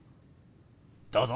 どうぞ。